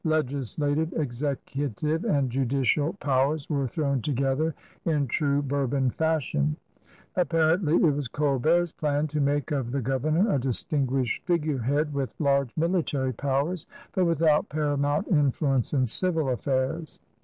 Legislative, executive, and judicial powers were thrown together in true Bourbon fashion. Appar ently it was G>Ibert's plan to make of the governor a distinguished figurehead, with large military powers but without paramount influence in civil affairs.